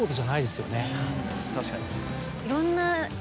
確かに。